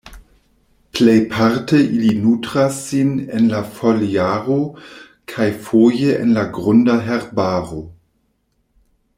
Plejparte ili nutras sin en la foliaro kaj foje en la grunda herbaro.